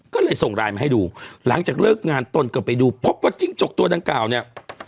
ก็เลยส่งไลน์มาให้ดูหลังจากเลิกงานตนก็ไปดูพบว่าจิ้งจกตัวดังกล่าวเนี่ย